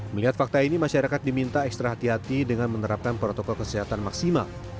melihat fakta ini masyarakat diminta ekstra hati hati dengan menerapkan protokol kesehatan maksimal